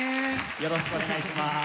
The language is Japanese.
よろしくお願いします。